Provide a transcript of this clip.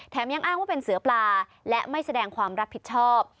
ยังอ้างว่าเป็นเสือปลาและไม่แสดงความรับผิดชอบ